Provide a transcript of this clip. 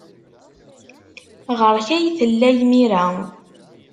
Ɣer-k ay tella imir-a.